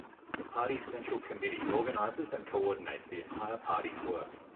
The party's Central Committee organizes and coordinates the entire party's work.